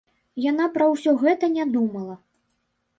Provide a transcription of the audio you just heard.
Яна пра ўсё гэта не думала.